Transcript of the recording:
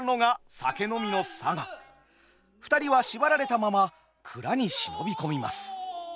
２人は縛られたまま蔵に忍び込みます。